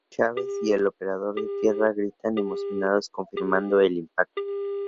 Chávez y el operador de tierra gritan emocionados confirmando el impacto.